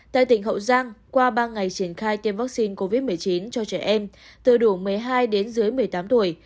tại tỉnh hậu giang qua ba ngày triển khai tiêm vaccine covid một mươi chín cho trẻ em từ đủ một mươi hai đến dưới một mươi tám tuổi